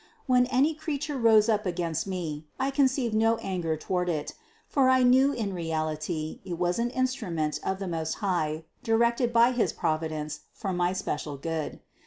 When any creature rose up against me, I conceived no anger toward it, for I knew in reality it was an instrument of the Most High, directed by his Providence for my special good.